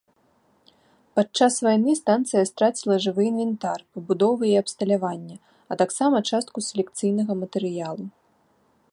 Падчас вайны станцыя страціла жывы інвентар, пабудовы і абсталяванне, а таксама частку селекцыйнага матэрыялу.